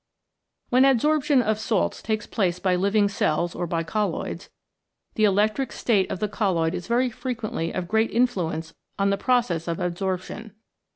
When adsorption of salts takes place by living cells or by colloids, the electric state of the colloid is very frequently of great influence on the process of adsorption.